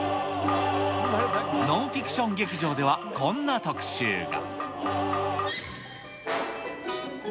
ノンフィクション劇場ではこんな特集が。